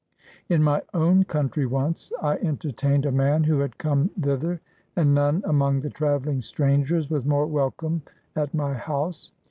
In my own country once I entertained a man who had come thither; and none among the traveling strangers was more welcome at my house.